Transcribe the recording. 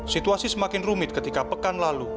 situasi semakin rumit ketika pekan lalu